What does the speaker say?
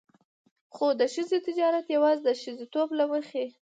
خو د ښځې تجارت يواځې د ښځېتوب له مخې.